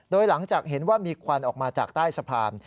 โดยหลังจากเห็นว่ามีควันออกมาจากใต้สะพาน